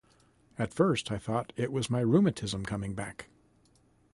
At first I thought it was my rheumatism coming back.